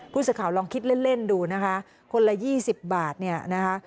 ผู้สื่อข่าวลองคิดเล่นดูนะคะคนละ๒๐บาทเนี่ยนะคะ